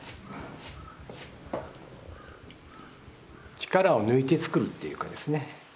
力を抜いて作るというかですね。